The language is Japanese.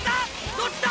どっちだ？